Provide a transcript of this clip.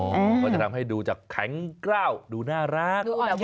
อ๋อเพราะจะทำให้ดูจะแข็งกล้าวดูน่ารัก